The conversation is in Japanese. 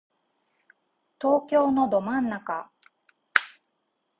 東京のど真ん中